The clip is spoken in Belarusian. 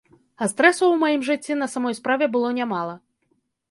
А стрэсаў ў маім жыцці на самой справе было нямала.